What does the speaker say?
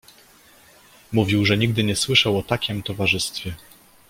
"Mówił, że nigdy nie słyszał o takiem towarzystwie."